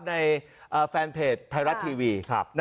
ในแฟนเพจไทยรัฐทีวี